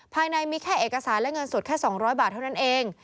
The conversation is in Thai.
ภายในมีแค่เอกสารและเงินสดแค่๒๐๐บาทเท่านั้นเอง